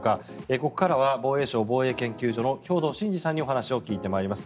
ここからは防衛省防衛研究所の兵頭慎治さんにお話を聞いてまいります。